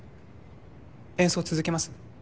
演奏続けます？